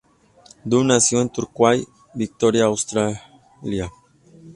Dunn nació en Torquay, Victoria, Australia.